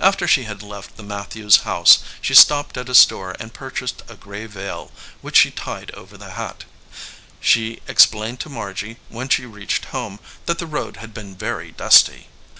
After she had left the Matthews house, she stopped at a store and purchased a gray veil, 82 VALUE RECEIVED which she tied over the hat. She explained to Margy, when she reached home, that the road had been very dusty.